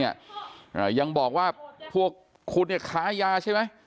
ยังบอกว่าพวกคุณขายาใช่ไหม